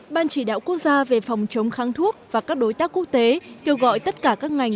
ban chỉ đạo quốc gia về phòng chống kháng thuốc và các đối tác quốc tế kêu gọi tất cả các ngành